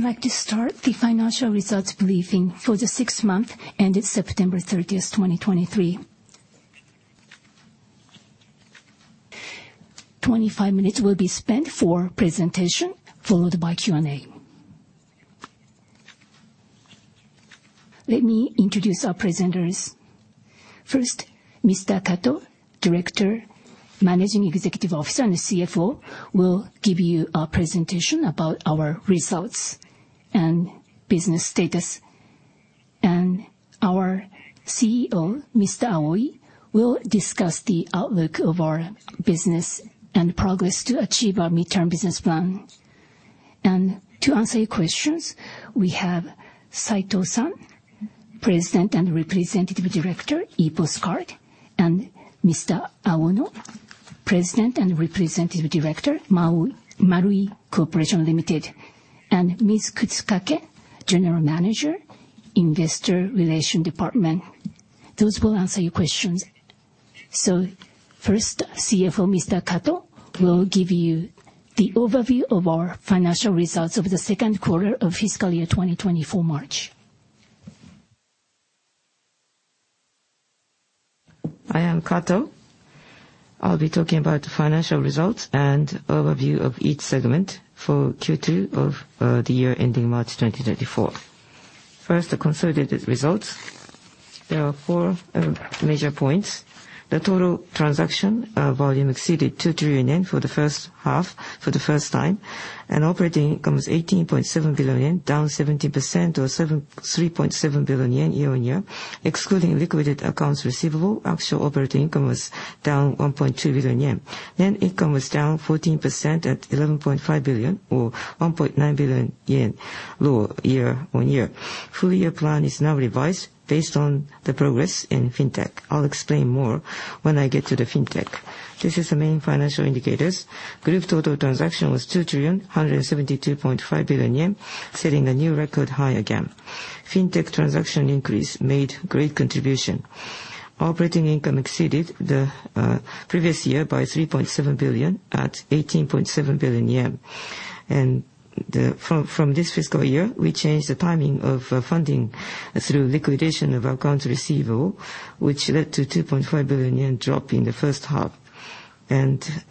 I'd like to start the financial results briefing for the sixth month, ending September 30th, 2023. 25 minutes will be spent for presentation, followed by Q&A. Let me introduce our presenters. First, Mr. Kato, Director, Managing Executive Officer, and CFO, will give you a presentation about our results and business status. Our CEO, Mr. Aoi, will discuss the outlook of our business and progress to achieve our midterm business plan. To answer your questions, we have Saito-san, President and Representative Director, Epos Card, and Mr. Aono, President and Representative Director, Marui Co., Ltd., and Ms. Kutsukake, General Manager, Investor Relations Department. Those will answer your questions. First, CFO, Mr. Kato, will give you the overview of our financial results of the second quarter of fiscal year 2020 for March. I am Kato. I'll be talking about financial results and overview of each segment for Q2 of the year ending March 2024. First, the consolidated results. There are four major points. The total transaction volume exceeded 2 trillion yen for the first half, for the first time, and operating income is 18.7 billion yen, down 17% or 7.3 billion yen year-on-year. Excluding liquidated accounts receivable, actual operating income was down 1.2 billion yen. Net income was down 14% at 11.5 billion or 1.9 billion yen, lower year-on-year. Full year plan is now revised based on the progress in FinTech. I'll explain more when I get to the FinTech. This is the main financial indicators. Group total transaction was 2,172.5 billion yen, setting a new record high again. FinTech transaction increase made great contribution. Operating income exceeded the previous year by 3.7 billion at 18.7 billion yen. From this fiscal year, we changed the timing of funding through liquidation of accounts receivable, which led to 2.5 billion yen drop in the first half.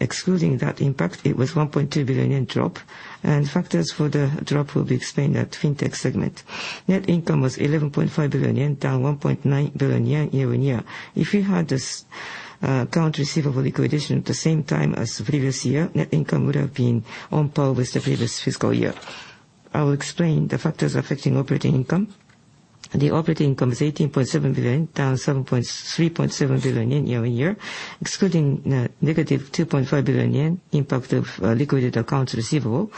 Excluding that impact, it was 1.2 billion yen drop, and factors for the drop will be explained at FinTech segment. Net income was 11.5 billion yen, down 1.9 billion yen year-on-year. If you had this account receivable liquidation at the same time as the previous year, net income would have been on par with the previous fiscal year. I will explain the factors affecting operating income. The operating income is 18.7 billion, down 3.7 billion yen year-on-year, excluding -2.5 billion yen impact of liquidated accounts receivable.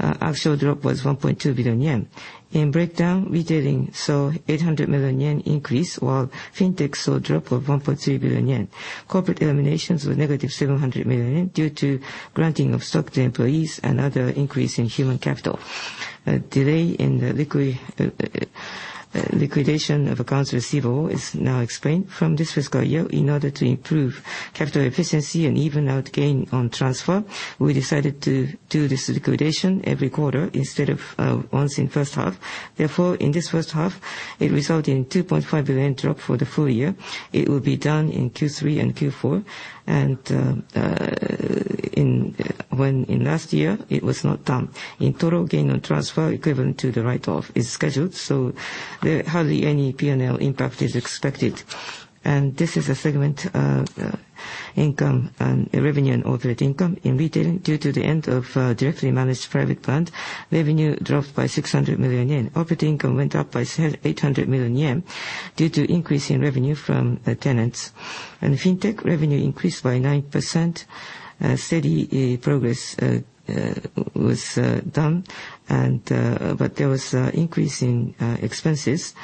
Actual drop was 1.2 billion yen. In breakdown, Retailing saw 800 million yen increase, while FinTech saw a drop of 1.3 billion yen. Corporate eliminations were negative 700 million yen, due to granting of stock to employees and other increase in human capital. Delay in the liquidation of accounts receivable is now explained. From this fiscal year, in order to improve capital efficiency and even out gain on transfer, we decided to do this liquidation every quarter instead of once in first half. Therefore, in this first half, it resulted in 2.5 billion drop for the full year. It will be done in Q3 and Q4, and when in last year, it was not done. In total, gain on transfer equivalent to the write-off is scheduled, so there hardly any P&L impact is expected. And this is a segment of income and revenue and operating income. In retailing, due to the end of directly managed private brand, revenue dropped by 600 million yen. Operating income went up by 800 million yen, due to increase in revenue from tenants. And FinTech revenue increased by 9%. Steady progress was done, but there was increase in expenses.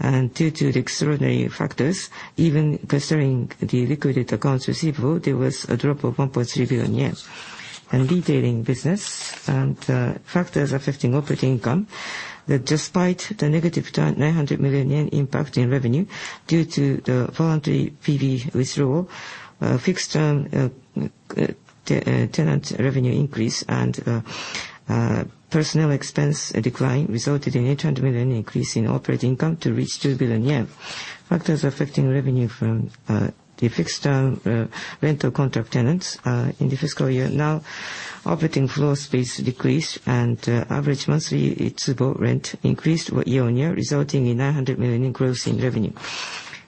And due to the extraordinary factors, even considering the liquidated accounts receivable, there was a drop of 1.3 billion yen. In retailing business, factors affecting operating income, that despite the -900 million yen impact in revenue, due to the voluntary PB withdrawal, fixed term tenant revenue increase and personnel expense decline resulted in 800 million increase in operating income to reach 2 billion yen. Factors affecting revenue from the fixed term rental contract tenants in the fiscal year. Now, operating floor space decreased, and average monthly tsubo rent increased year-on-year, resulting in 900 million increase in revenue.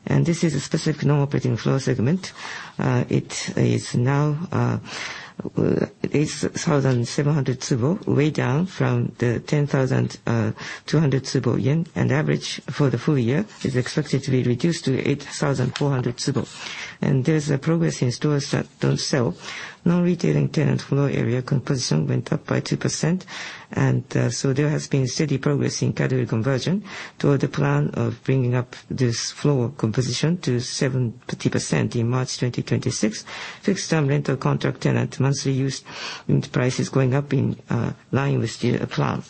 And this is a specific non-operating floor segment. It is now 8,700 tsubo, way down from the 10,200 tsubo. And average for the full year is expected to be reduced to 8,400 tsubo. And there's progress in stores that don't sell. Non-retailing tenant floor area composition went up by 2%, and, so there has been steady progress in category conversion toward the plan of bringing up this floor composition to 70% in March 2026. Fixed-term rental contract tenant monthly use price is going up in line with the plan.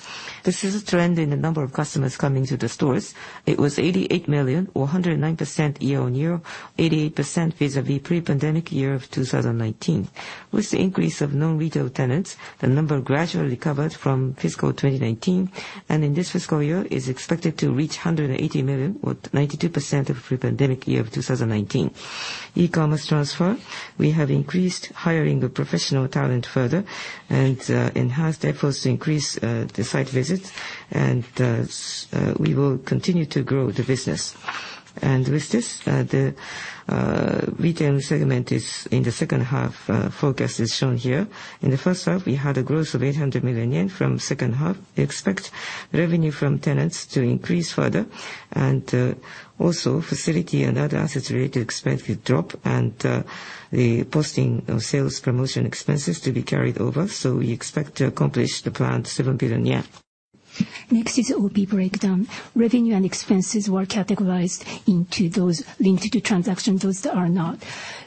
This is a trend in the number of customers coming to the stores. It was 88 million or 109% year-on-year, 88% vis-a-vis pre-pandemic year of 2019. With the increase of non-retail tenants, the number gradually recovered from fiscal 2019, and in this fiscal year, is expected to reach 180 million, with 92% of pre-pandemic year of 2019.... E-commerce transfer, we have increased hiring of professional talent further and enhanced efforts to increase the site visits, and so we will continue to grow the business. With this, the retail segment in the second half forecast is shown here. In the first half, we had a growth of 800 million yen. From second half, we expect revenue from tenants to increase further, and also facility and other assets related expense will drop, and the posting of sales promotion expenses to be carried over. So we expect to accomplish the planned 7 billion yen. Next is OP breakdown. Revenue and expenses were categorized into those linked to transactions, those that are not.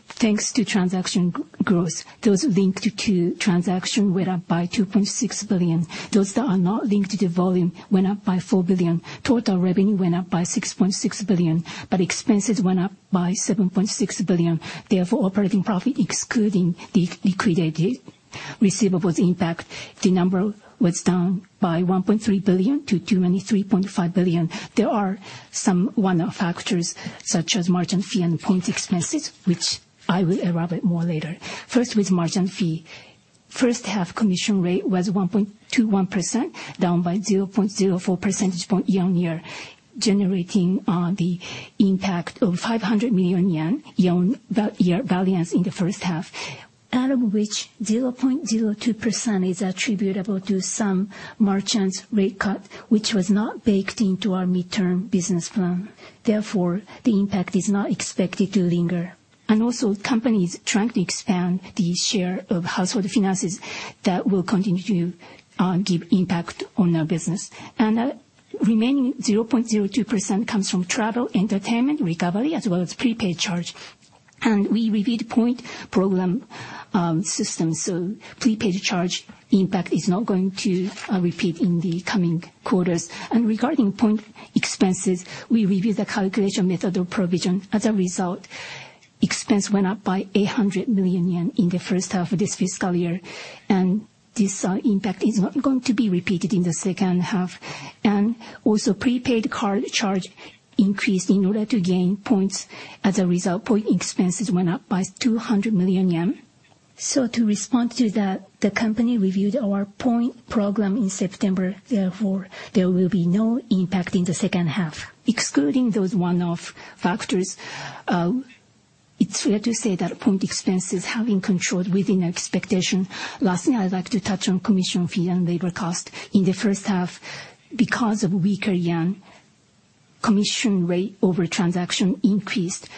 Thanks to transaction growth, those linked to transaction went up by 2.6 billion. Those that are not linked to the volume went up by 4 billion. Total revenue went up by 6.6 billion, but expenses went up by 7.6 billion. Therefore, operating profit, excluding the liquidated receivables impact, the number was down by 1.3 billion to 23.5 billion. There are some one-off factors, such as merchant fee and point expenses, which I will elaborate more later. First, with merchant fee. First half commission rate was 1.21%, down by 0.04 percentage point year-on-year, generating the impact of 500 million yen, year-on-year variance in the first half, out of which 0.02% is attributable to some merchants rate cut, which was not baked into our midterm business plan. Therefore, the impact is not expected to linger. Also, companies trying to expand the share of household finances that will continue to give impact on our business. Remaining 0.02% comes from travel, entertainment, recovery, as well as prepaid charge. We reviewed point program systems, so prepaid charge impact is not going to repeat in the coming quarters. Regarding point expenses, we reviewed the calculation method of provision. As a result, expense went up by 800 million yen in the first half of this fiscal year, and this impact is not going to be repeated in the second half. Also, prepaid card charge increased in order to gain points. As a result, point expenses went up by 200 million yen. To respond to that, the company reviewed our point program in September, therefore, there will be no impact in the second half. Excluding those one-off factors, it's fair to say that point expenses have been controlled within expectation. Last thing I'd like to touch on commission fee and labor cost. In the first half, because of weaker yen, commission rate over transaction increased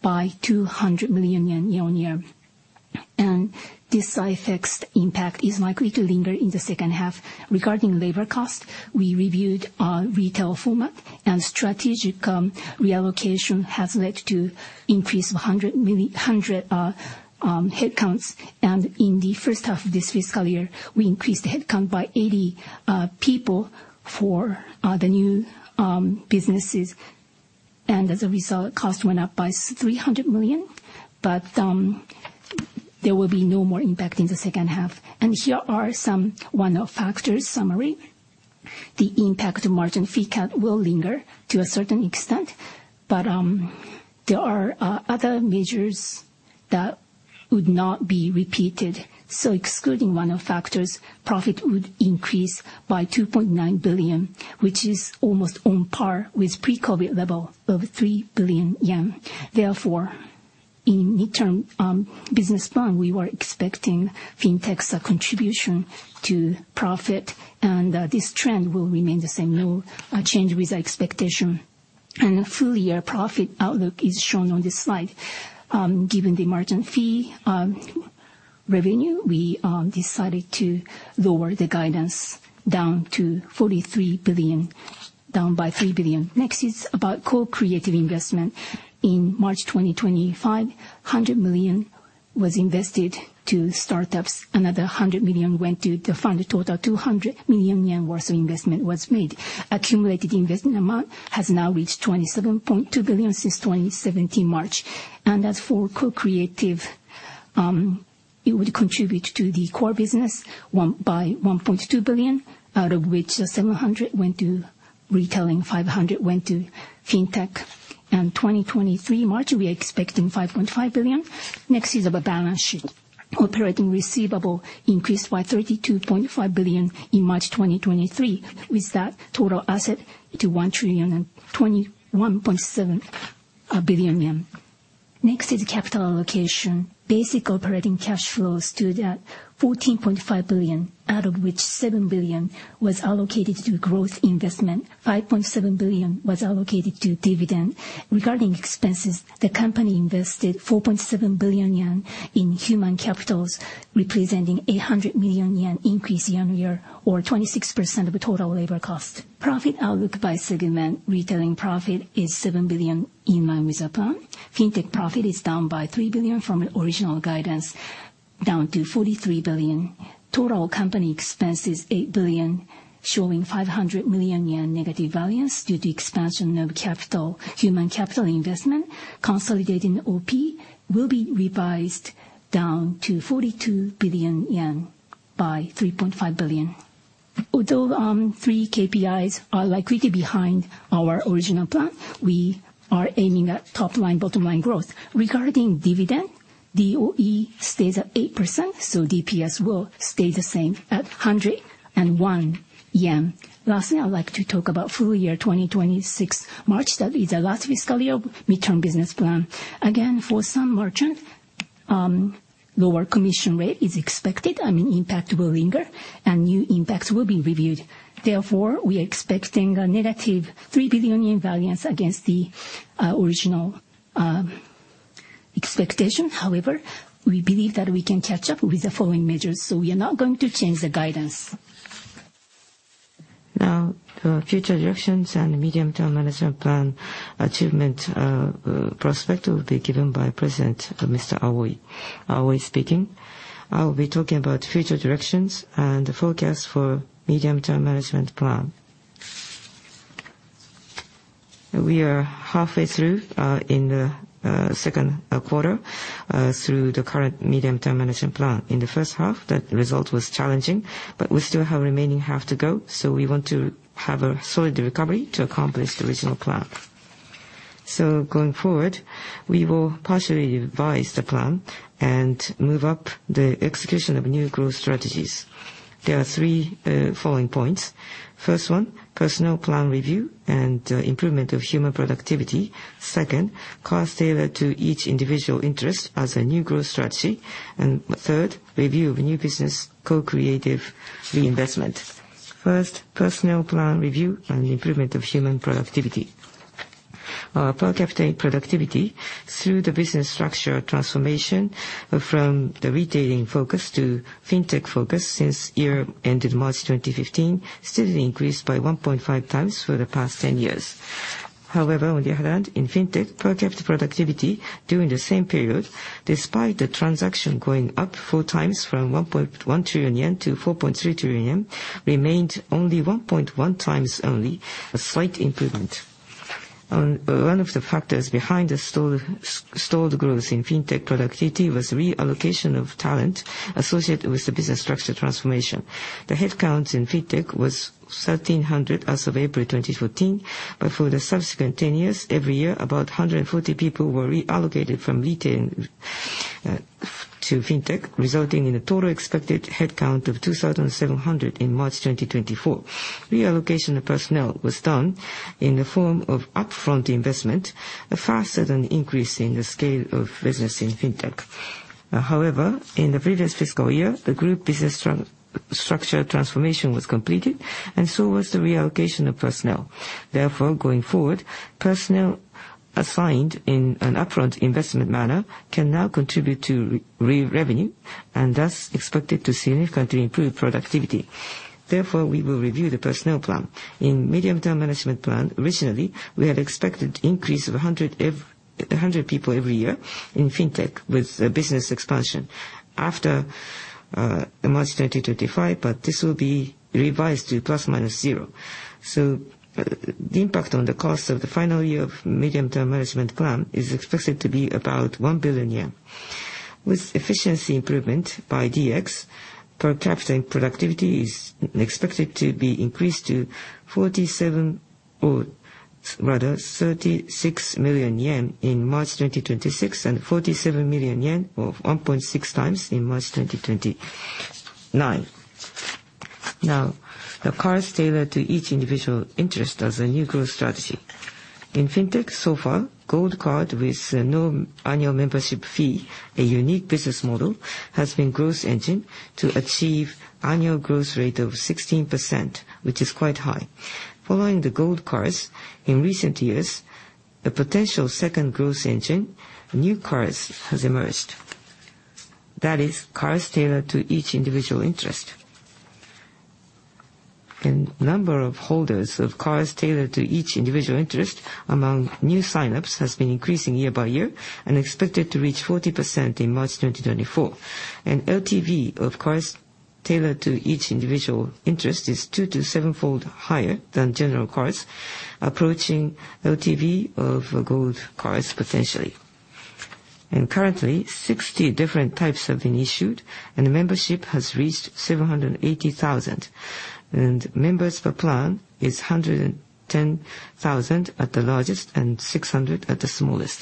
by 200 million yen year-on-year, and this fixed impact is likely to linger in the second half. Regarding labor cost, we reviewed our retail format, and strategic reallocation has led to increase of 100 million 100 headcounts. In the first half of this fiscal year, we increased headcount by 80 people for the new businesses. As a result, cost went up by 300 million, but there will be no more impact in the second half. Here are some one-off factors summary. The impact of margin fee cut will linger to a certain extent, but, there are, other measures that would not be repeated. So excluding one-off factors, profit would increase by 2.9 billion, which is almost on par with pre-COVID level of 3 billion yen. Therefore, in midterm, business plan, we were expecting FinTech's contribution to profit, and, this trend will remain the same, no change with our expectation. Full year profit outlook is shown on this slide. Given the margin fee, revenue, we, decided to lower the guidance down to 43 billion, down by 3 billion. Next is about co-creative investment. In March 2025, 100 million was invested to startups. Another 100 million went to the fund. A total 200 million yen worth of investment was made. Accumulated investment amount has now reached 27.2 billion since March 2017. As for co-creative, it would contribute to the core business one by 1.2 billion, out of which 700 million went to retailing, 500 million went to FinTech. In March 2023, we are expecting 5.5 billion. Next is the balance sheet. Operating receivables increased by 32.5 billion in March 2023, with that, total assets to 1,021.7 billion yen. Next is capital allocation. Basic operating cash flows stood at 14.5 billion, out of which 7 billion was allocated to growth investment, 5.7 billion was allocated to dividend. Regarding expenses, the company invested 4.7 billion yen in human capital, representing 800 million yen increase year-on-year, or 26% of the total labor cost. Profit outlook by segment, retailing profit is 7 billion, in line with the plan. FinTech profit is down by 3 billion from the original guidance, down to 43 billion. Total company expense is 8 billion, showing 500 million yen negative variance due to expansion of capital, human capital investment. Consolidated OP will be revised down to 42 billion yen by 3.5 billion. Although, 3 KPIs are likely behind our original plan, we are aiming at top line, bottom line growth. Regarding dividend, the ROE stays at 8%, so DPS will stay the same at 101 yen. Lastly, I'd like to talk about full year 2026, March. That is the last fiscal year midterm business plan. Again, for some merchant, lower commission rate is expected, and impact will linger, and new impacts will be reviewed. Therefore, we are expecting a -3 billion variance against the original expectation. However, we believe that we can catch up with the following measures, so we are not going to change the guidance. Now, the future directions and medium-term management plan achievement prospect will be given by President Mr. Aoi. Aoi speaking. I will be talking about future directions and the forecast for medium-term management plan. We are halfway through in the second quarter through the current medium-term management plan. In the first half, that result was challenging, but we still have remaining half to go, so we want to have a solid recovery to accomplish the original plan. So going forward, we will partially revise the plan and move up the execution of new growth strategies. There are three following points. First one, personnel plan review and improvement of human productivity. Second, cards tailored to each individual interest as a new growth strategy. And third, review of new business co-creative investment. First, personnel plan review and improvement of human productivity. Our per capita productivity through the business structure transformation from the retailing focus to FintTech focus since year ended March 2015, steadily increased by 1.5x for the past 10 years. However, on the other hand, in FinTech, per capita productivity during the same period, despite the transaction going up 4x from 1.1 trillion-4.3 trillion yen, remained only 1.1x only, a slight improvement. One of the factors behind the stalled growth in FinTech productivity was reallocation of talent associated with the business structure transformation. The headcount in FinTech was 1,300 as of April 2014, but for the subsequent 10 years, every year, about 140 people were reallocated from retail to FinTech, resulting in a total expected headcount of 2,700 in March 2024. Reallocation of personnel was done in the form of upfront investment, a faster than increase in the scale of business in FinTech. However, in the previous fiscal year, the group business structure transformation was completed, and so was the reallocation of personnel. Therefore, going forward, personnel assigned in an upfront investment manner can now contribute to revenue and thus expected to significantly improve productivity. Therefore, we will review the personnel plan. In medium-term management plan, originally, we had expected increase of 100 people every year in FinTech, with business expansion. After March 2025, but this will be revised to ±0. So the impact on the cost of the final year of medium-term management plan is expected to be about 1 billion yen. With efficiency improvement by DX, per capita productivity is expected to be increased to 47, or rather 36 million yen in March 2026, and 47 million yen, or 1.6x, in March 2029. Now, the cards tailored to each individual interest as a new growth strategy. In FinTech, so far, Gold Card with no annual membership fee, a unique business model, has been growth engine to achieve annual growth rate of 16%, which is quite high. Following the Gold Cards, in recent years, a potential second growth engine, new cards, has emerged. That is cards tailored to each individual interest. And number of holders of cards tailored to each individual interest among new sign-ups has been increasing year by year and expected to reach 40% in March 2024. LTV of cards tailored to each individual interest is two- to seven-fold higher than general cards, approaching LTV of Gold Cards, potentially. Currently, 60 different types have been issued, and membership has reached 780,000, and members per plan is 110,000 at the largest, and 600 at the smallest.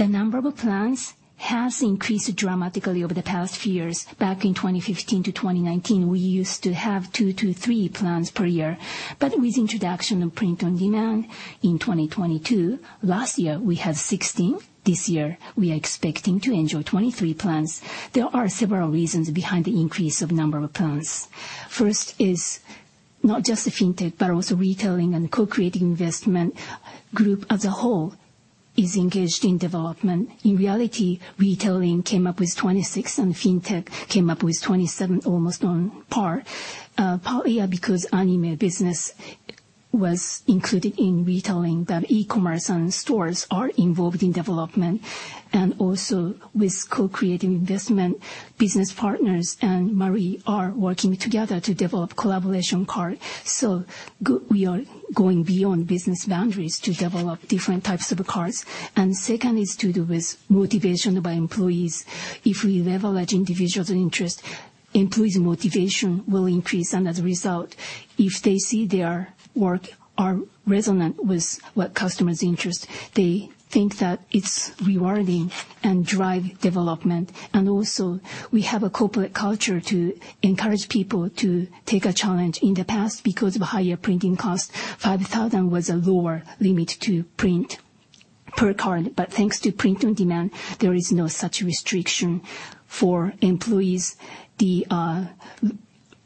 The number of plans has increased dramatically over the past few years. Back in 2015-2019, we used to have two-three plans per year, but with introduction of print on demand in 2022, last year, we had 16. This year we are expecting to enjoy 23 plans. There are several reasons behind the increase of number of plans. First is not just the FinTech, but also retailing and co-creative investment. Group as a whole is engaged in development. In reality, retailing came up with 26, and FinTech came up with 27, almost on par. Partly because anime business was included in retailing, but e-commerce and stores are involved in development. And also, with co-creative investment, business partners and Marui are working together to develop collaboration card. So we are going beyond business boundaries to develop different types of cards. And second is to do with motivation by employees. If we leverage individuals' interests, employees' motivation will increase, and as a result, if they see their work are resonant with what customers' interests, they think that it's rewarding and drive development. And also, we have a corporate culture to encourage people to take a challenge. In the past, because of higher printing costs, 5,000 was a lower limit to print per card, but thanks to print on demand, there is no such restriction for employees. The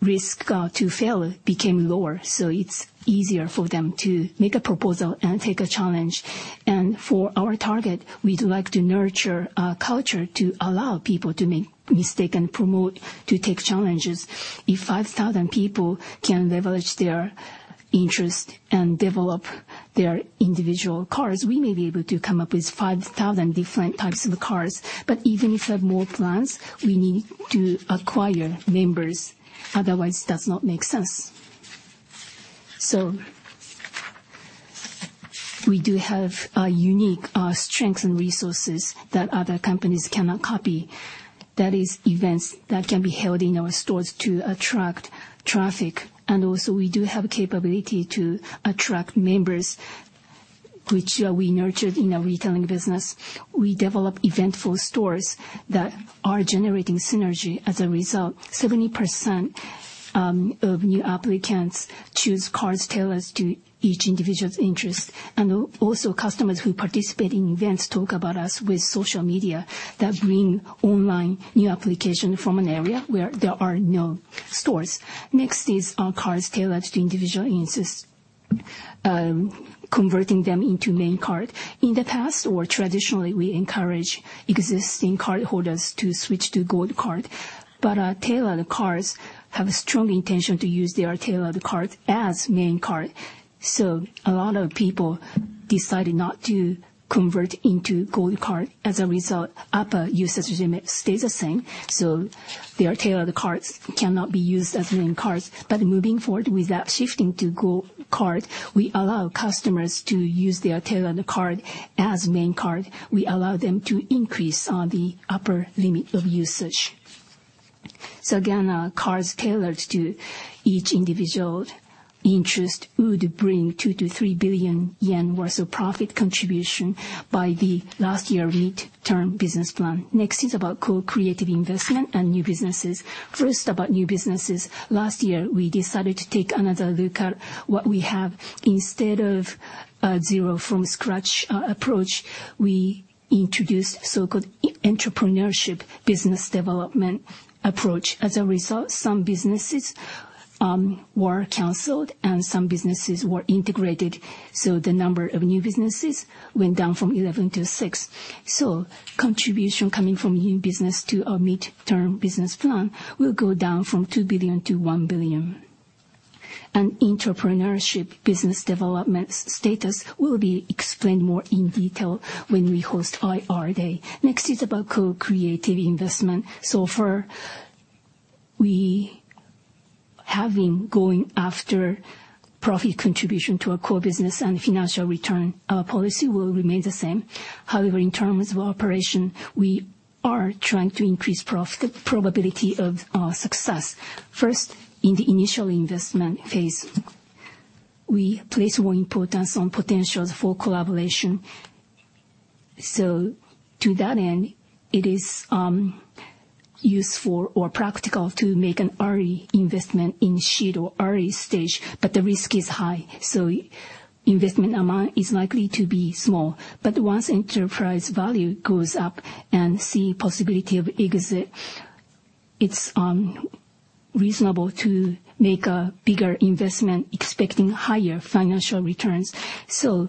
risk to fail became lower, so it's easier for them to make a proposal and take a challenge. And for our target, we'd like to nurture a culture to allow people to make mistake and promote, to take challenges. If 5,000 people can leverage their interest and develop their individual cards, we may be able to come up with 5,000 different types of cards. But even if we have more plans, we need to acquire members, otherwise does not make sense. So we do have unique strengths and resources that other companies cannot copy. That is, events that can be held in our stores to attract traffic, and also we do have capability to attract members, which we nurtured in our retailing business. We develop eventful stores that are generating synergy. As a result, 70% of new applicants choose cards tailored to each individual's interest. And also, customers who participate in events talk about us with social media that bring online new application from an area where there are no stores. Next is our cards tailored to individual interests, converting them into main card. In the past, or traditionally, we encourage existing cardholders to switch to Gold Card, but tailored cards have a strong intention to use their tailored card as main card. So a lot of people decided not to convert into Gold Card. As a result, upper usage limit stays the same, so their tailored cards cannot be used as main cards. But moving forward, without shifting to Gold Card, we allow customers to use their tailored card as main card. We allow them to increase the upper limit of usage. So again, cards tailored to each individual interest would bring 2 billion-3 billion yen worth of profit contribution by the last year mid-term business plan. Next is about co-creative investment and new businesses. First, about new businesses. Last year, we decided to take another look at what we have. Instead of a zero-from-scratch approach, we introduced so-called e-entrepreneurship business development approach. As a result, some businesses were canceled and some businesses were integrated, so the number of new businesses went down from 11 to six. So contribution coming from new business to our mid-term business plan will go down from 2 billion to 1 billion. And entrepreneurship business development status will be explained more in detail when we host IR Day. Next is about co-creative investment. So for we have been going after profit contribution to our core business and financial return, our policy will remain the same. However, in terms of operation, we are trying to increase probability of success. First, in the initial investment phase, we place more importance on potentials for collaboration. So to that end, it is useful or practical to make an early investment in seed or early stage, but the risk is high, so investment amount is likely to be small. But once enterprise value goes up and see possibility of exit, it's reasonable to make a bigger investment, expecting higher financial returns. So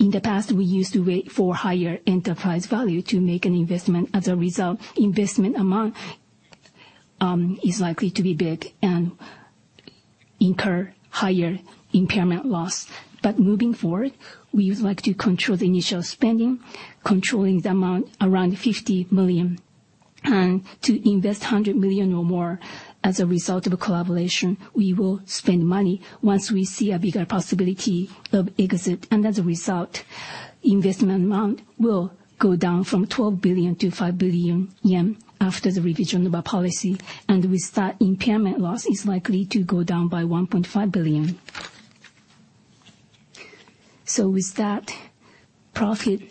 in the past, we used to wait for higher enterprise value to make an investment. As a result, investment amount is likely to be big and incur higher impairment loss. But moving forward, we would like to control the initial spending, controlling the amount around 50 million, and to invest 100 million or more. As a result of a collaboration, we will spend money once we see a bigger possibility of exit. And as a result, investment amount will go down from 12 billion to 5 billion yen after the revision of our policy. And with that, impairment loss is likely to go down by 1.5 billion. So with that, profit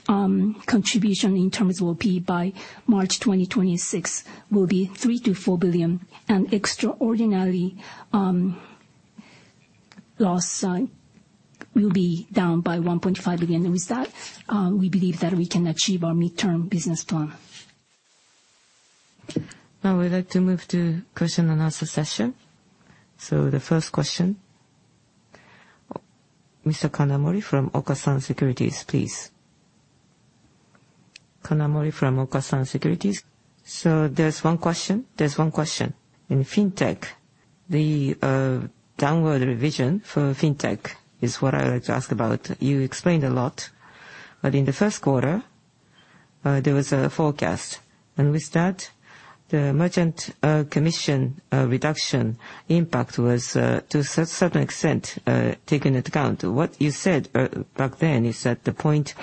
contribution in terms will be by March 2026, will be 3 billion-4 billion, and extraordinary loss will be down by 1.5 billion. And with that, we believe that we can achieve our mid-term business plan. Now we'd like to move to question and answer session. The first question, Mr. Kanamori from Okasan Securities, please. Kanamori from Okasan Securities. So there's one question, there's one question. In FinTech, the downward revision for FinTech is what I would like to ask about. You explained a lot, but in the first quarter, there was a forecast, and with that, the merchant commission reduction impact was to a certain extent taken into account. What you said back then is that the point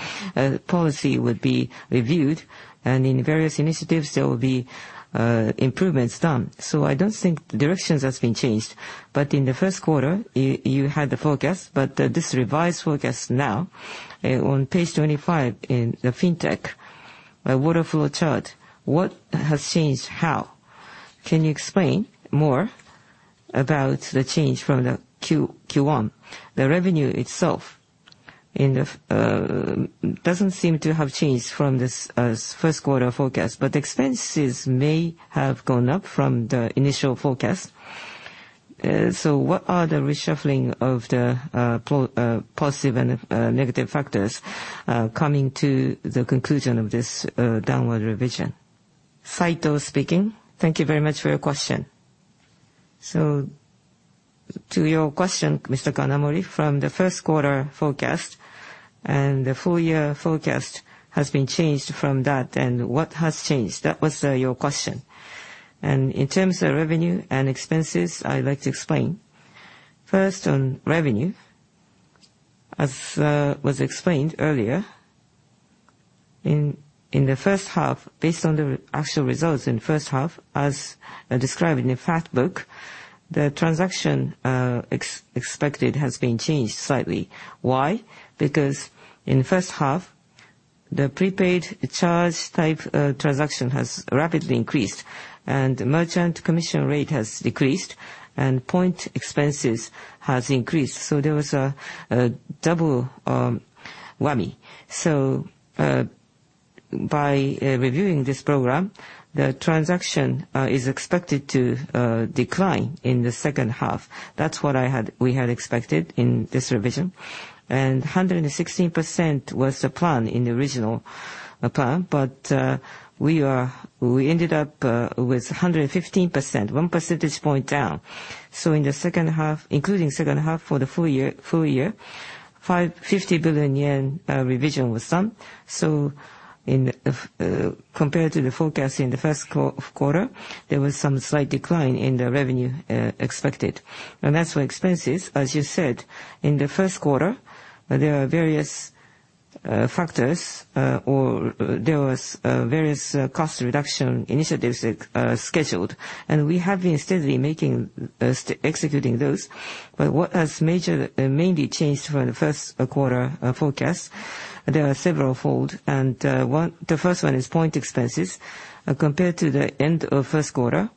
policy would be reviewed, and in various initiatives, there will be improvements done. So I don't think the direction has been changed. But in the first quarter, you had the forecast, but this revised forecast now on page 25 in the FinTech waterfall chart, what has changed how? Can you explain more about the change from the Q1? The revenue itself in the doesn't seem to have changed from this first quarter forecast, but expenses may have gone up from the initial forecast. So what are the reshuffling of the positive and negative factors coming to the conclusion of this downward revision? Saito speaking. Thank you very much for your question. So to your question, Mr. Kanamori, from the first quarter forecast, and the full year forecast has been changed from that, and what has changed? That was your question. And in terms of revenue and expenses, I'd like to explain. First, on revenue, as was explained earlier, in the first half, based on the actual results in the first half, as described in the fact book, the transaction expected has been changed slightly. Why? Because in the first half, the prepaid charge type transaction has rapidly increased, and merchant commission rate has decreased, and point expenses has increased. So there was a double whammy. So by reviewing this program, the transaction is expected to decline in the second half. That's what we had expected in this revision. And 116% was the plan in the original plan, but we ended up with 115%, one percentage point down. So in the second half, including second half for the full year, full year, 50 billion yen revision was done. So compared to the forecast in the first quarter, there was some slight decline in the revenue expected. And as for expenses, as you said, in the first quarter, there are various factors, or there was various cost reduction initiatives scheduled, and we have been steadily making executing those. But what has mainly changed for the first quarter forecast, there are severalfold, and one, the first one is point expenses. Compared to the end of first quarter,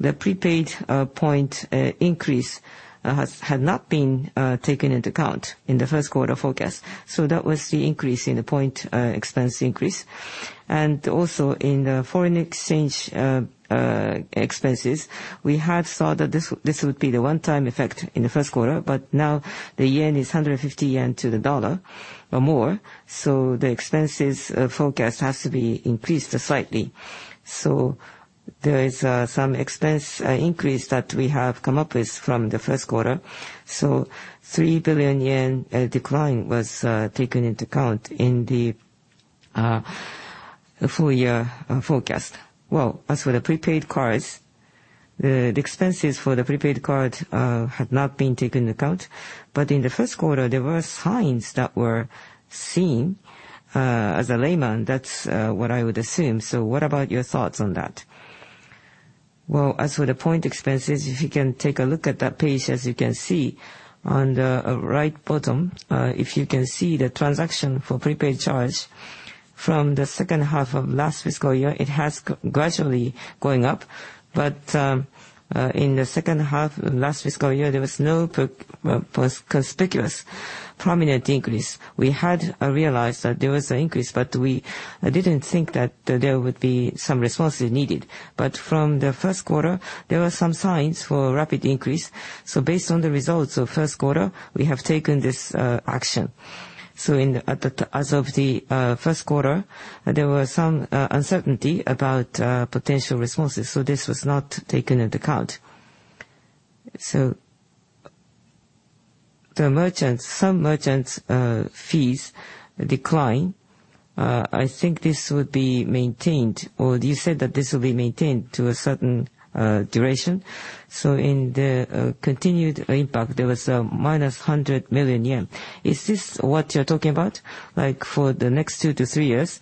the prepaid point increase had not been taken into account in the first quarter forecast. So that was the increase in the point expense increase. And also, in the foreign exchange expenses, we had thought that this would be the one-time effect in the first quarter, but now the yen is 150 yen to the dollar or more, so the expenses forecast has to be increased slightly. So there is some expense increase that we have come up with from the first quarter. So 3 billion yen decline was taken into account in the full year forecast. Well, as for the prepaid cards, the expenses for the prepaid card had not been taken into account. But in the first quarter, there were signs that were seen. As a layman, that's what I would assume. So what about your thoughts on that? Well, as for the point expenses, if you can take a look at that page, as you can see on the right bottom, if you can see the transaction for prepaid charge from the second half of last fiscal year, it has gradually going up. But in the second half of last fiscal year, there was no conspicuous prominent increase. We had realized that there was an increase, but I didn't think that there would be some responses needed. But from the first quarter, there were some signs for a rapid increase. So based on the results of first quarter, we have taken this action. So in, at the, as of the first quarter, there were some uncertainty about potential responses, so this was not taken into account. So the merchants, some merchants fees decline, I think this would be maintained, or you said that this will be maintained to a certain duration. So in the continued impact, there was -100 million yen. Is this what you're talking about? Like for the next two-three years,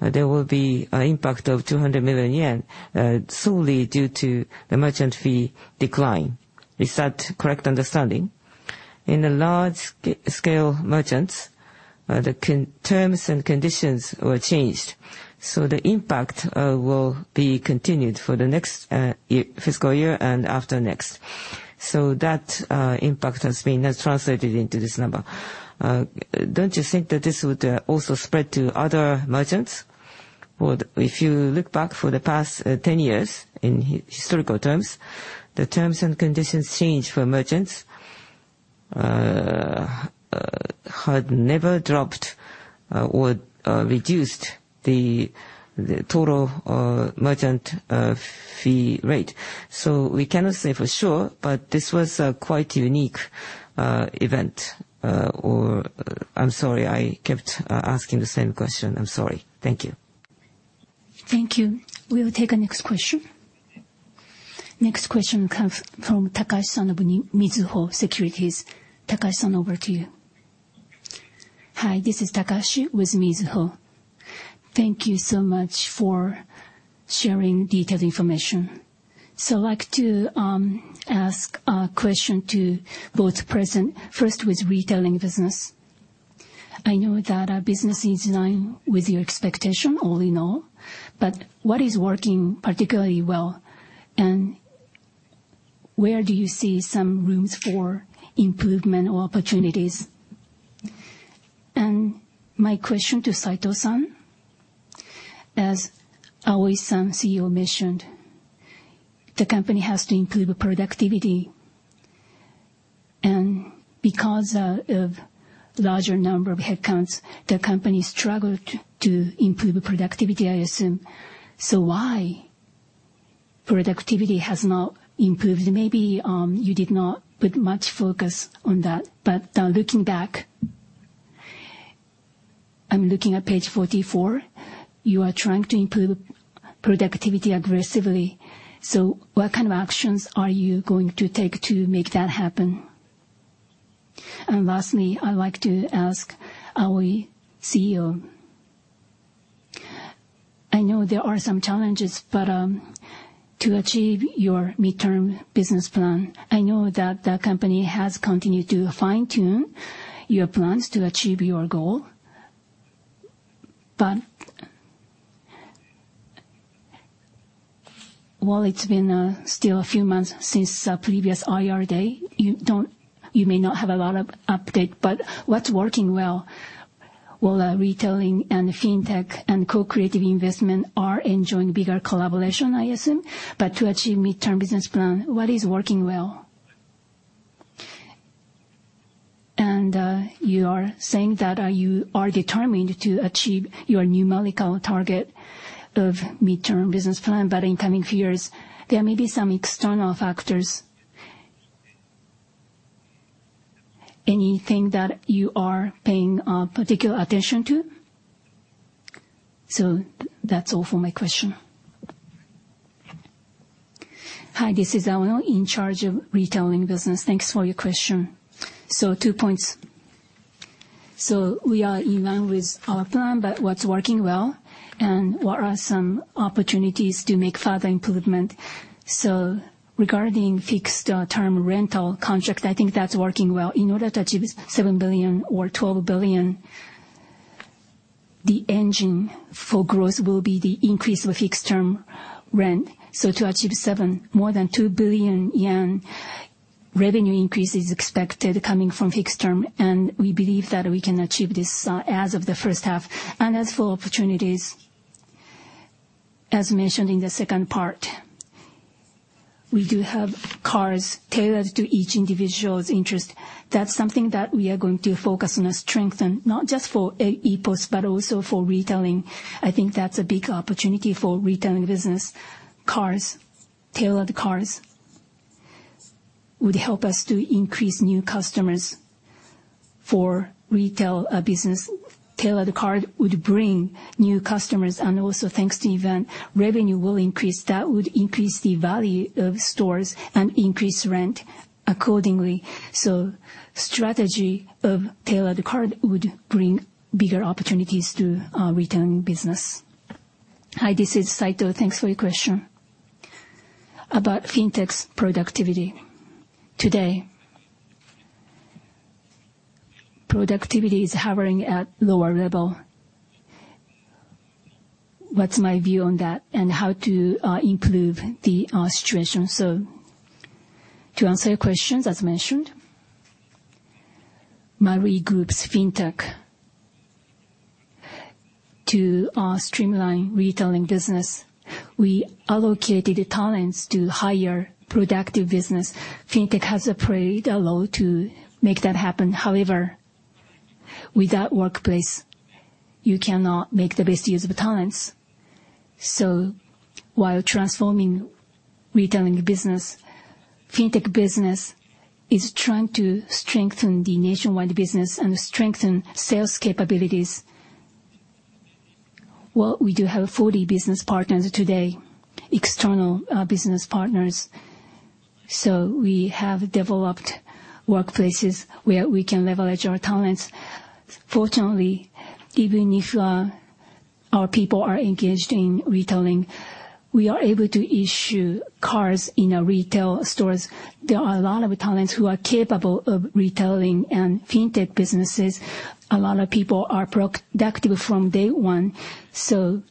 there will be an impact of 200 million yen solely due to the merchant fee decline. Is that correct understanding? In the large scale merchants, the terms and conditions were changed, so the impact will be continued for the next fiscal year and after next. So that impact has been translated into this number. Don't you think that this would also spread to other merchants? Well, if you look back for the past 10 years in historical terms, the terms and conditions changed for merchants had never dropped or reduced the- the total, merchant, fee rate. So we cannot say for sure, but this was a quite unique, event. Or I'm sorry, I kept, asking the same question. I'm sorry. Thank you. Thank you. We will take our next question. Next question comes from Takahashi-san of Mizuho Securities. Takahashi-san, over to you. Hi, this is Takashi with Mizuho. Thank you so much for sharing detailed information. So I'd like to, ask a question to both present, first with retailing business. I know that our business is in line with your expectation, all in all, but what is working particularly well, and where do you see some rooms for improvement or opportunities? And my question to Saito-san, as Aoi-san, CEO, mentioned, the company has to improve productivity, and because of larger number of headcounts, the company struggled to improve productivity, I assume. So why has productivity not improved? Maybe you did not put much focus on that, but looking back, I'm looking at page 44, you are trying to improve productivity aggressively. So what kind of actions are you going to take to make that happen? And lastly, I'd like to ask our CEO. I know there are some challenges, but to achieve your midterm business plan, I know that the company has continued to fine-tune your plans to achieve your goal. But while it's been still a few months since the previous IR day, you may not have a lot of update, but what's working well? While retailing and FinTech and Co-creative investment are enjoying bigger collaboration, I assume, but to achieve midterm business plan, what is working well? And you are saying that you are determined to achieve your numerical target of midterm business plan, but in coming years, there may be some external factors. Anything that you are paying particular attention to? So that's all for my question. Hi, this is Aoi, in charge of retailing business. Thanks for your question. So two points. So we are in line with our plan, but what's working well and what are some opportunities to make further improvement? So regarding fixed-term rental contract, I think that's working well. In order to achieve 7 billion or 12 billion, the engine for growth will be the increase of fixed-term rent. So to achieve seven, more than 2 billion yen revenue increase is expected coming from fixed-term, and we believe that we can achieve this, as of the first half. And as for opportunities, as mentioned in the second part, we do have cards tailored to each individual's interest. That's something that we are going to focus on and strengthen, not just for EPOS, but also for retailing. I think that's a big opportunity for retailing business. Cards, tailored cards, would help us to increase new customers for retail business. Tailored card would bring new customers, and also, thanks to event, revenue will increase. That would increase the value of stores and increase rent accordingly. So strategy of tailored card would bring bigger opportunities to our retailing business. Hi, this is Saito. Thanks for your question. About FinTech's productivity. Today, productivity is hovering at lower level. What's my view on that and how to improve the situation? So to answer your questions, as mentioned, Marui Group's FinTech, to streamline retailing business, we allocated the talents to higher productive business. FinTech has played a role to make that happen. However, without workplace, you cannot make the best use of the talents. So while transforming retailing business, FinTech business is trying to strengthen the nationwide business and strengthen sales capabilities. Well, we do have 40 business partners today, external business partners, so we have developed workplaces where we can leverage our talents. Fortunately, even if our people are engaged in retailing, we are able to issue cards in our retail stores. There are a lot of talents who are capable of retailing and FinTech businesses. A lot of people are productive from day one. So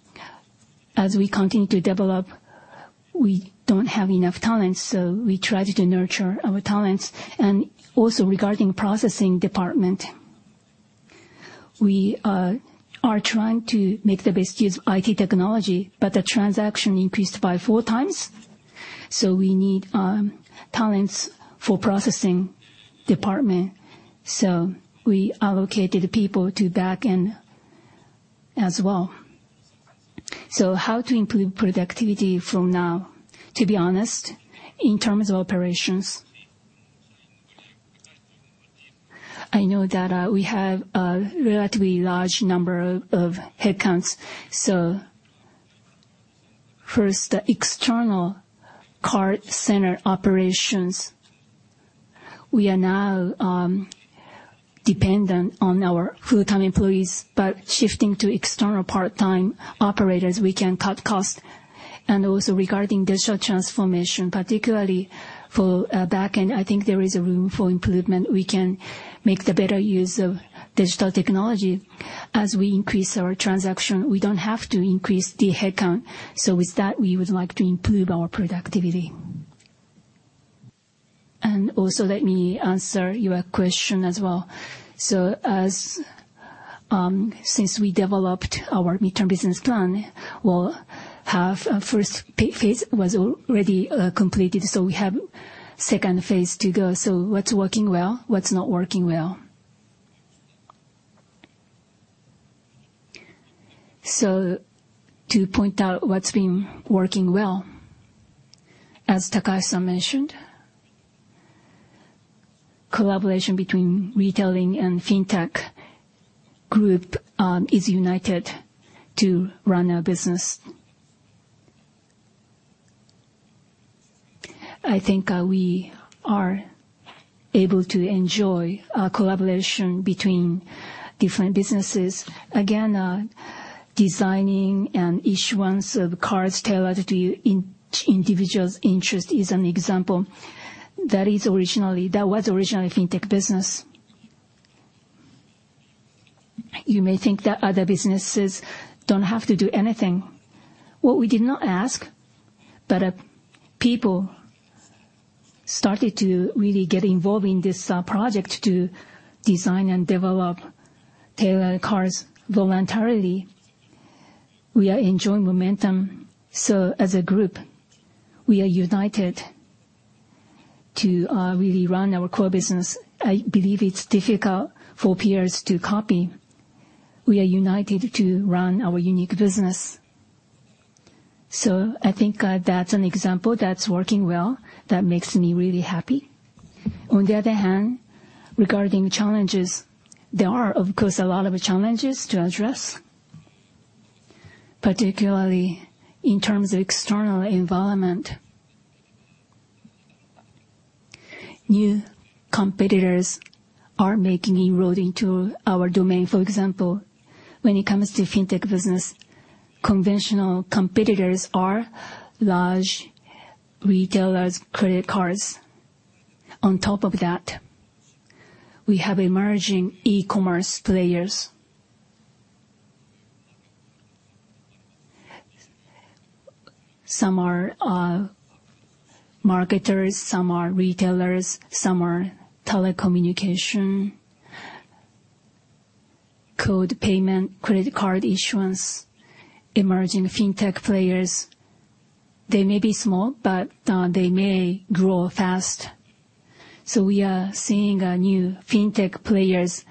as we continue to develop, we don't have enough talents, so we try to nurture our talents. And also, regarding processing department, we are trying to make the best use of IT technology, but the transaction increased by 4x. So we need talents for processing department, so we allocated people to back-end as well. So how to improve productivity from now? To be honest, in terms of operations, I know that we have a relatively large number of headcounts. So first, the external card center operations, we are now dependent on our full-time employees, but shifting to external part-time operators, we can cut costs. And also regarding digital transformation, particularly for back-end, I think there is a room for improvement. We can make the better use of digital technology. As we increase our transaction, we don't have to increase the headcount. So with that, we would like to improve our productivity. And also, let me answer your question as well. So, since we developed our midterm business plan, we'll have phase I was already completed, so we have phase II to go. So what's working well? What's not working well? So to point out what's been working well, as Takasa mentioned, collaboration between retailing and FinTech group is united to run our business. I think we are able to enjoy a collaboration between different businesses. Again, designing and issuance of cards tailored to individual's interest is an example. That was originally FinTech business. You may think that other businesses don't have to do anything. What we did not ask, but people started to really get involved in this project to design and develop tailored cards voluntarily. We are enjoying momentum, so as a group, we are united to really run our core business. I believe it's difficult for peers to copy. We are united to run our unique business. So I think, that's an example that's working well, that makes me really happy. On the other hand, regarding challenges, there are, of course, a lot of challenges to address, particularly in terms of external environment. New competitors are making inroads into our domain. For example, when it comes to FinTech business, conventional competitors are large retailers, credit cards. On top of that, we have emerging e-commerce players. Some are, marketers, some are retailers, some are telecommunication, code payment, credit card issuance, emerging FinTech players. They may be small, but, they may grow fast. So we are seeing, new FinTech players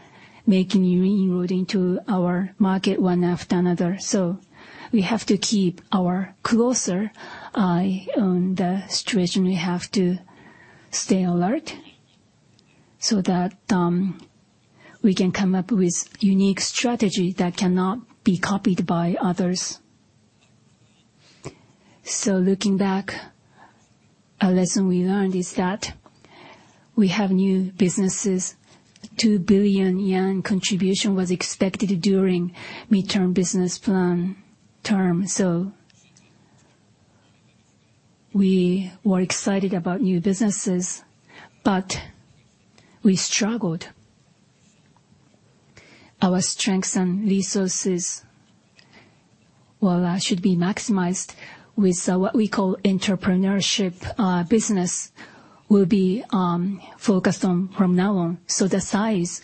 making inroads into our market, one after another. So we have to keep our closer eye on the situation. We have to stay alert, so that we can come up with unique strategy that cannot be copied by others. So looking back, a lesson we learned is that we have new businesses. 2 billion yen contribution was expected during midterm business plan term, so we were excited about new businesses, but we struggled. Our strengths and resources, well, should be maximized with what we call entrepreneurship. Business will be focused on from now on, so the size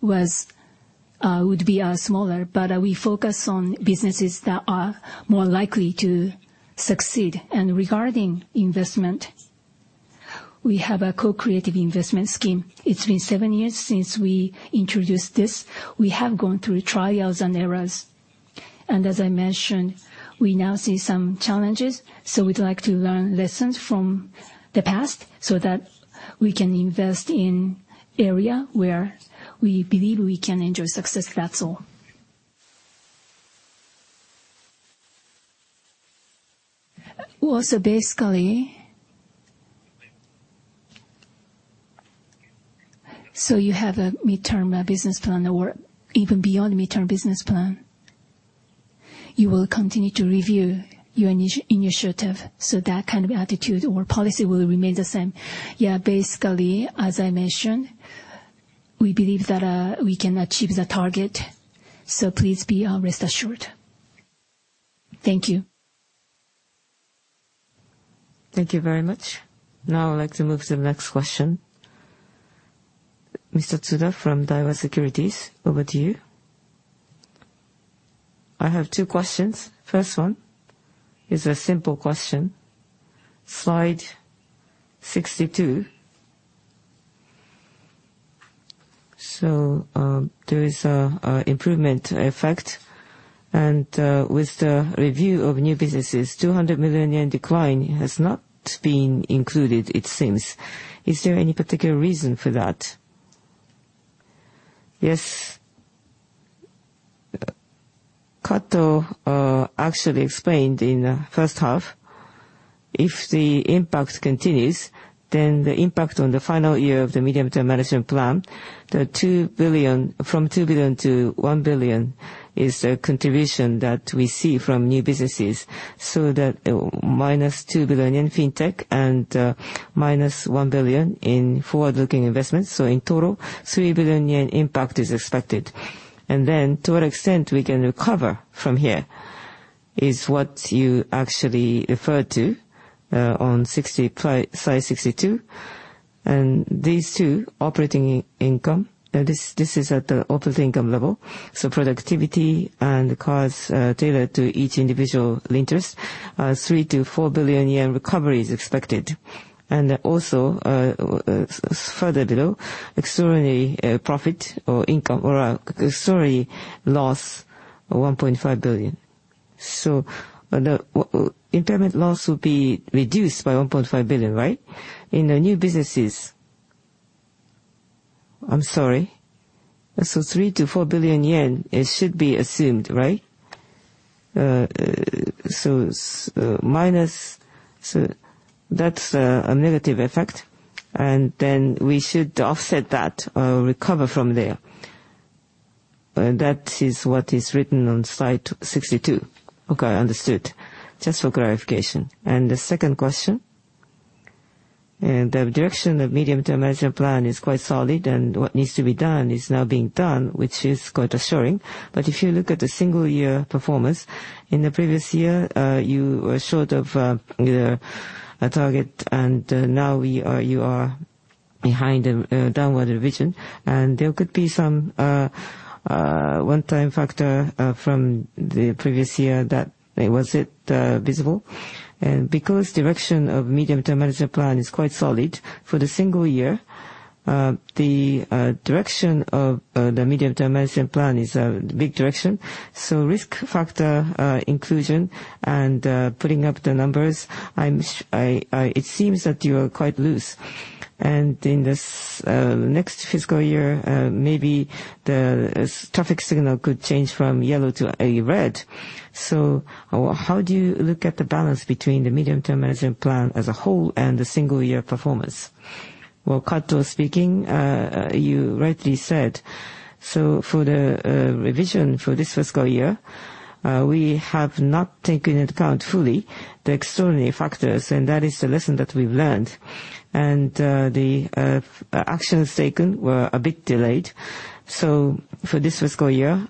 would be smaller, but we focus on businesses that are more likely to succeed. And regarding investment, we have a co-creative investment scheme. It's been seven years since we introduced this. We have gone through trials and errors, and as I mentioned, we now see some challenges, so we'd like to learn lessons from the past so that we can invest in area where we believe we can enjoy success. That's all. Well, so basically... So you have a midterm business plan, or even beyond midterm business plan, you will continue to review your initiative, so that kind of attitude or policy will remain the same. Yeah, basically, as I mentioned, we believe that we can achieve the target, so please be rest assured. Thank you. Thank you very much. Now I'd like to move to the next question. Mr. Tsuda from Daiwa Securities, over to you? I have two questions. First one is a simple question. Slide 62. So, there is a improvement effect, and with the review of new businesses, 200 million yen decline has not been included, it seems. Is there any particular reason for that? Yes. Kato actually explained in the first half, if the impact continues, then the impact on the final year of the medium-term management plan, the 2 billion, from 2 billion to 1 billion, is the contribution that we see from new businesses. So that, -2 billion in FinTech and -1 billion in forward-looking investments, so in total, 3 billion yen impact is expected. And then, to what extent we can recover from here is what you actually referred to on slide 62. And these two, operating income, and this, this is at the operating income level, so productivity and costs, tailored to each individual interest, 3 billion-4 billion yen recovery is expected. And also, further below, extraordinary, profit or income or, sorry, loss of 1.5 billion. So the, impairment loss will be reduced by 1.5 billion, right? In the new businesses... I'm sorry. So 3 billion- 4 billion yen, it should be assumed, right? Minus, so that's a negative effect, and then we should offset that or recover from there. That is what is written on slide 62. Okay, understood. Just for clarification. And the second question? The direction of medium-term management plan is quite solid, and what needs to be done is now being done, which is quite assuring. But if you look at the single-year performance, in the previous year, you were short of the target, and now you are behind the downward revision. And there could be some one-time factor from the previous year that was visible. And because direction of medium-term management plan is quite solid for the single year, the direction of the medium-term management plan is a big direction. So risk factor inclusion, and putting up the numbers, it seems that you are quite loose. And in this next fiscal year, maybe the traffic signal could change from yellow to a red. So how do you look at the balance between the medium-term management plan as a whole and the single-year performance? Well, Kato speaking. You rightly said, so for the revision for this fiscal year, we have not taken into account fully the extraordinary factors, and that is the lesson that we've learned. The actions taken were a bit delayed. So for this fiscal year,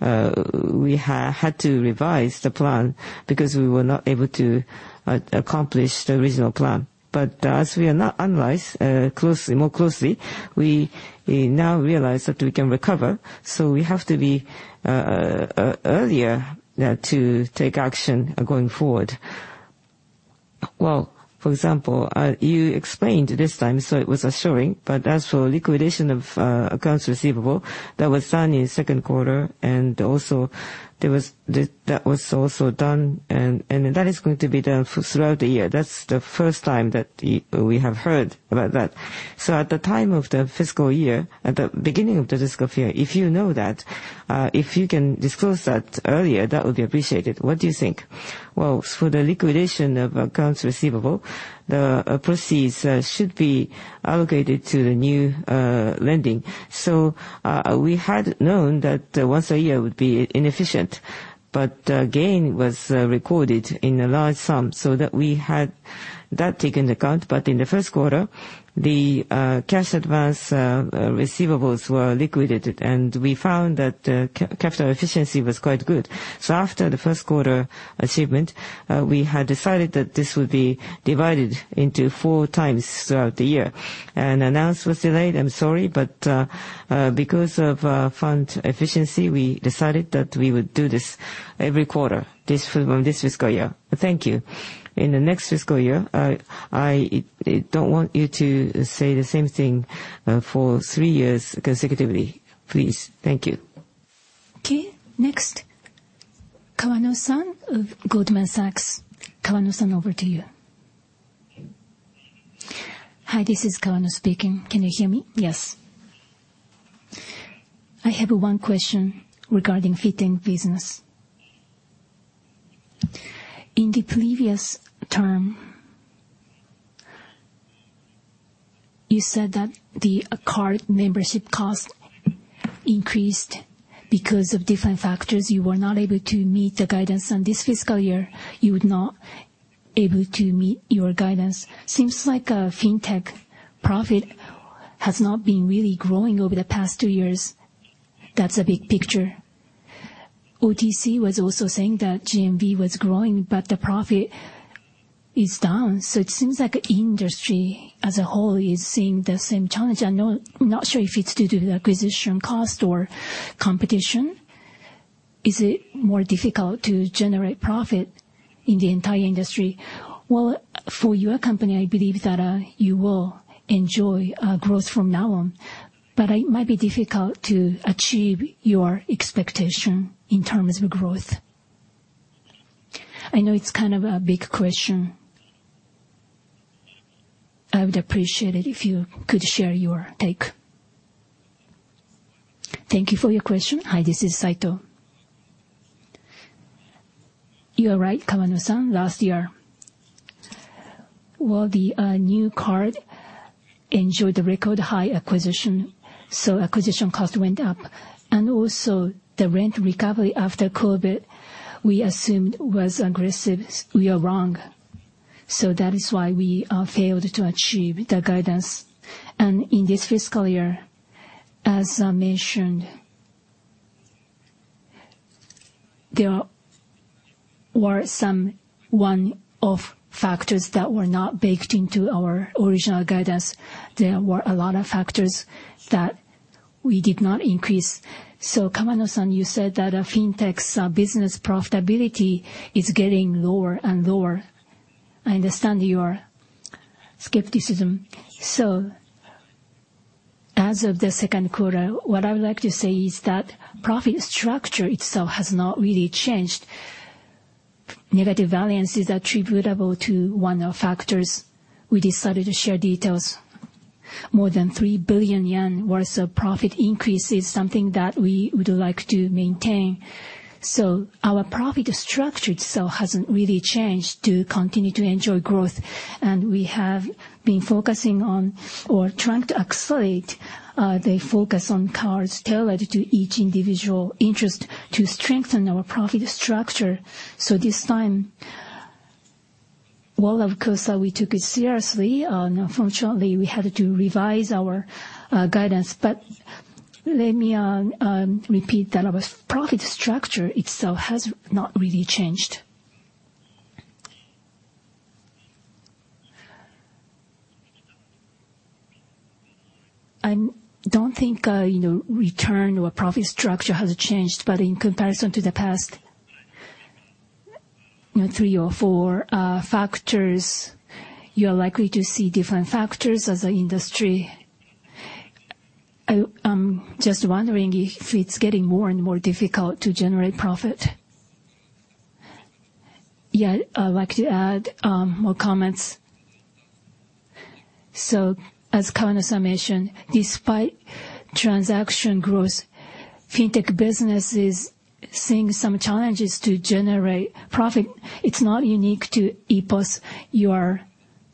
we had to revise the plan because we were not able to accomplish the original plan. But as we analyzed more closely, we now realize that we can recover, so we have to be earlier to take action going forward. Well, for example, you explained this time, so it was assuring, but as for liquidation of accounts receivable, that was done in the second quarter, and also there was, the, that was also done, and that is going to be done for throughout the year. That's the first time that we have heard about that. So at the time of the fiscal year, at the beginning of the fiscal year, if you know that, if you can disclose that earlier, that would be appreciated. What do you think? Well, for the liquidation of accounts receivable, the proceeds should be allocated to the new lending. So, we had known that once a year would be inefficient, but gain was recorded in a large sum so that we had that taken into account. But in the first quarter, the cash advance receivables were liquidated, and we found that capital efficiency was quite good. So after the first quarter achievement, we had decided that this would be divided into four times throughout the year. And announcement was delayed, I'm sorry, but because of fund efficiency, we decided that we would do this every quarter, this from this fiscal year. Thank you. In the next fiscal year, I don't want you to say the same thing for three years consecutively, please. Thank you. Okay, next, Kawano-san of Goldman Sachs. Kawano-san, over to you. Hi, this is Kawano speaking. Can you hear me? Yes. I have one question regarding FinTech business. In the previous term, you said that the card membership cost increased because of different factors. You were not able to meet the guidance, and this fiscal year, you would not able to meet your guidance. Seems like FinTech profit has not been really growing over the past two years. That's a big picture. OTC was also saying that GMV was growing, but the profit... is down, so it seems like industry as a whole is seeing the same challenge. I'm not sure if it's due to the acquisition cost or competition. Is it more difficult to generate profit in the entire industry? Well, for your company, I believe that, you will enjoy, growth from now on, but it might be difficult to achieve your expectation in terms of growth. I know it's kind of a big question. I would appreciate it if you could share your take. Thank you for your question. Hi, this is Saito. You are right, Kanamori-san, last year, well, the new card enjoyed a record high acquisition, so acquisition cost went up, and also the rent recovery after COVID, we assumed was aggressive. We are wrong. So that is why we failed to achieve the guidance. And in this fiscal year, as I mentioned, there were some one-off factors that were not baked into our original guidance. There were a lot of factors that we did not increase. So Kanamori-san, you said that FinTech's business profitability is getting lower and lower. I understand your skepticism. So as of the second quarter, what I would like to say is that profit structure itself has not really changed. Negative variance is attributable to one-off factors. We decided to share details. More than 3 billion yen worth of profit increase is something that we would like to maintain. So our profit structure itself hasn't really changed to continue to enjoy growth, and we have been focusing on or trying to accelerate the focus on cards tailored to each individual interest to strengthen our profit structure. So this time, well, of course, we took it seriously, and unfortunately, we had to revise our guidance. But let me repeat that our profit structure itself has not really changed. I don't think you know, return or profit structure has changed, but in comparison to the past, you know, three or four factors, you're likely to see different factors as an industry. Just wondering if it's getting more and more difficult to generate profit? Yeah, I'd like to add more comments. So as Kawano-san mentioned, despite transaction growth, FinTech business is seeing some challenges to generate profit. It's not unique to EPOS. You are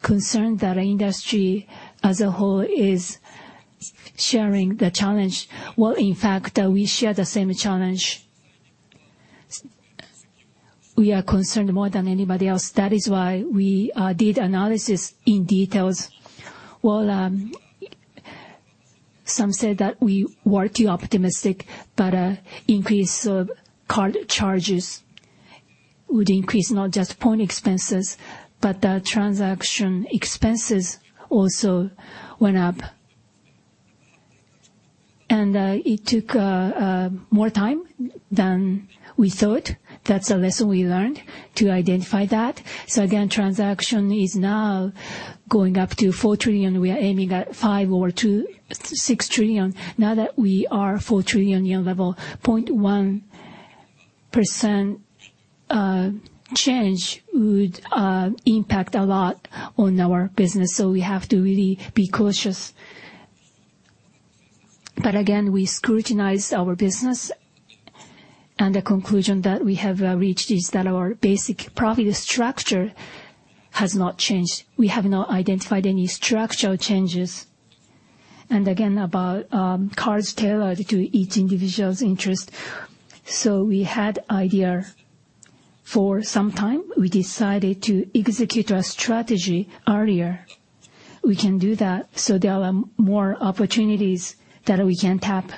concerned that our industry as a whole is sharing the challenge. Well, in fact, we share the same challenge. We are concerned more than anybody else. That is why we did analysis in details. Well, some said that we were too optimistic, but increase of card charges would increase not just point expenses, but transaction expenses also went up. It took more time than we thought. That's a lesson we learned to identify that. So again, transaction is now going up to 4 trillion. We are aiming at 5 trillion or to 6 trillion. Now that we are 4 trillion yen level, 0.1% change would impact a lot on our business, so we have to really be cautious. But again, we scrutinized our business, and the conclusion that we have reached is that our basic profit structure has not changed. We have not identified any structural changes. And again, about cards tailored to each individual's interest. So we had idea for some time. We decided to execute our strategy earlier. We can do that, so there are more opportunities that we can tap,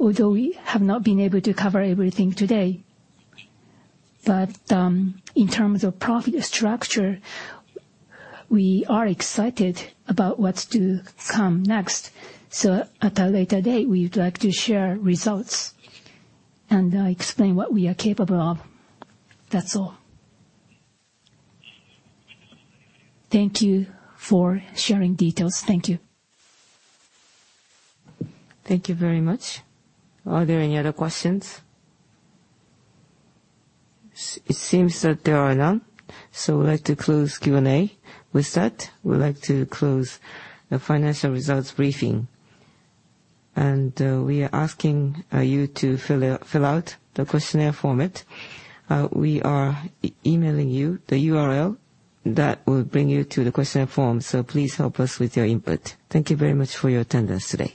although we have not been able to cover everything today. But, in terms of profit structure, we are excited about what's to come next. So at a later date, we would like to share results and, explain what we are capable of. That's all. Thank you for sharing details. Thank you. Thank you very much. Are there any other questions? It seems that there are none, so we'd like to close Q&A. With that, we'd like to close the financial results briefing, and we are asking you to fill out the questionnaire format. We are emailing you the URL that will bring you to the questionnaire form, so please help us with your input. Thank you very much for your attendance today.